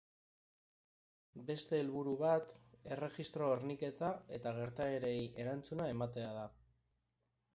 Beste helburua bat erregistro horniketa eta gertaerei erantzuna ematea da.